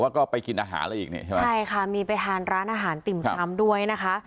ก็ไปกินอาหารอะไรอีกเนี่ยใช่ไหมใช่ค่ะมีไปทานร้านอาหารติ่มช้ำด้วยนะคะ